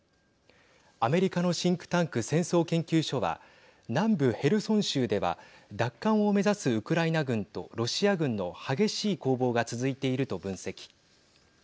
アメリカのシンクタンク戦争研究所は南部ヘルソン州では奪還を目指すウクライナ軍とロシア軍の激しい攻防が続いていると分析。